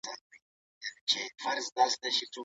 که ازادي نه وي پرمختګ نه راځي.